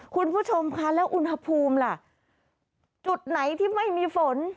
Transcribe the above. คุณผู้ชมค่ะแล้วอุณหภูมิล่ะจุดไหนที่ไม่มีฝน